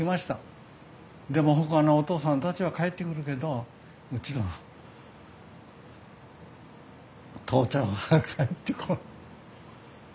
でもほかのお父さんたちは帰ってくるけどうちのは父ちゃんは帰ってこん。